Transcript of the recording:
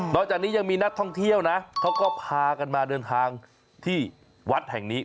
จากนี้ยังมีนักท่องเที่ยวนะเขาก็พากันมาเดินทางที่วัดแห่งนี้